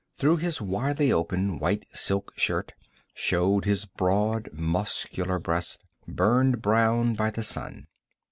Through his widely open white silk shirt showed his broad muscular breast, burned brown by the sun.